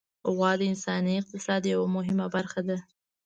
غوا د انساني اقتصاد یوه مهمه برخه ده.